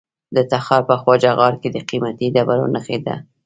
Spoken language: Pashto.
د تخار په خواجه غار کې د قیمتي ډبرو نښې دي.